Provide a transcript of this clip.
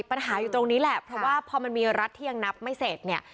ปัญหาอยู่ตรงนี้แหละเพราะว่าพอมันมีรัฐที่ยังนับไม่เสร็จเนี่ย